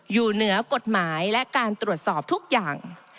อยู่เหนือกฎหมายและการตรวจสอบทุกอย่าง